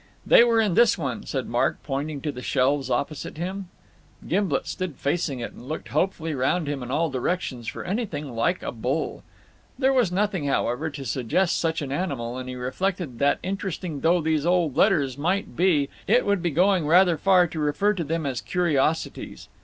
"They were in this one," said Mark, pointing to the shelves opposite him. Gimblet stood facing it, and looked hopefully round him in all directions for anything like a bull. There was nothing, however, to suggest such an animal, and he reflected that interesting though these old letters might be it would be going rather far to refer to them as curiosities.